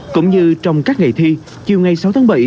cũng như trong các ngày thi chiều ngày sáu tháng bảy